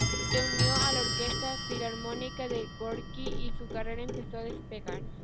Se unió a la Orquesta Filarmónica de Gorki y su carrera empezó a despegar.